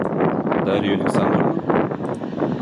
Дарью Александровну?